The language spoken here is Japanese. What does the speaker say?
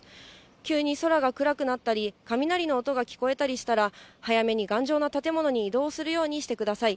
急に空が暗くなったり、雷の音が聞こえたりしたら、早めに頑丈な建物に移動するようにしてください。